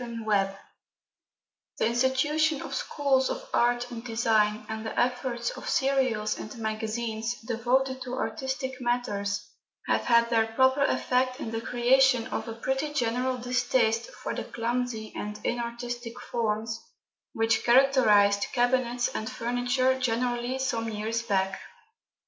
FURNITURE The institution of schools of art and design, and the efforts of serials and magazines devoted to artistic matters, have had their proper effect in the creation of a pretty general distaste for the clumsy and inartistic forms which characterised cabinets and furniture generally some years back.